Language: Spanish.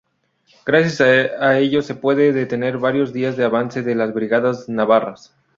Gracias a ello se pudo detener varios días el avance de las Brigadas Navarras.